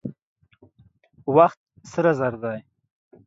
وخت سره زر دي.